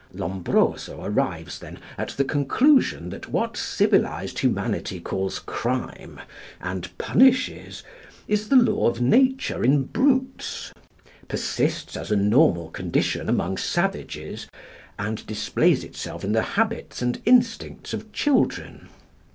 Lombroso arrives, then, at the conclusion that what civilised humanity calls crime and punishes, is the law of nature in brutes, persists as a normal condition among savages, and displays itself in the habits and instincts of children.